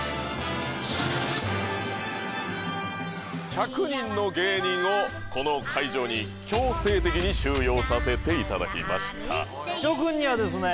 １００人の芸人をこの会場に強制的に収容させていただきました諸君にはですね